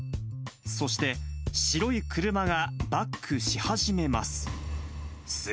そして、白い車がバックし始めます。